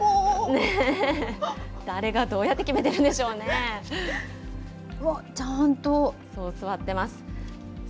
誰がどうやって決めてるんでうわっ、ちゃんと。座ってます。